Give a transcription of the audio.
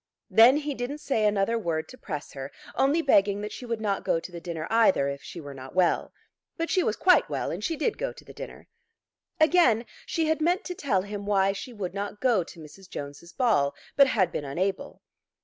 Then he didn't say another word to press her, only begging that she would not go to the dinner either if she were not well. But she was quite well, and she did go to the dinner. Again she had meant to tell him why she would not go to Mrs. Jones's ball, but had been unable.